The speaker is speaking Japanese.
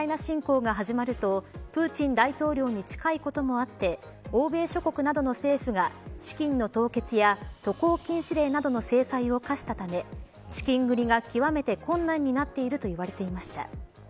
ウクライナ侵攻が始まるとプーチン大統領に近いこともあって欧米諸国などの政府が資金の凍結や渡航禁止令などの制裁を科したため資金繰りが極めて困難になっていると言われていました。